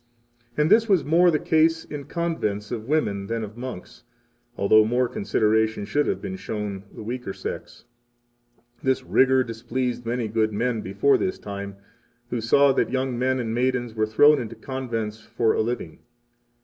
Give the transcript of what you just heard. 7 And this was more the case in convents of women than of monks, although more consideration should have been shown the weaker sex. 8 This rigor displeased many good men before this time, who saw that young men and maidens were thrown into convents for a living.